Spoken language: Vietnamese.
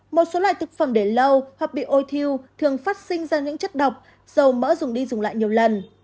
một số loại thực phẩm để lâu hoặc bị ôi thiêu thường phát sinh ra những chất độc dầu mỡ dùng đi dùng lại nhiều lần